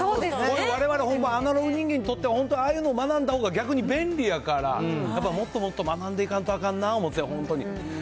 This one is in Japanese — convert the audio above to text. われわれほんまアナログ人間にとっては本当、ああいうの学んだほうが逆に便利やから、やっぱもっともっと学んでいかなあかんな思って、本当に。